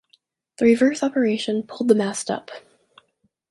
The reverse operation pulled the mast up.